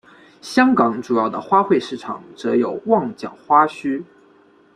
香港主要的花卉市场则有旺角花墟。